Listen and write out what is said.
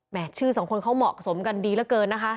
ชื่อสองคนเขาเหมาะสมกันดีเหลือเกินนะคะ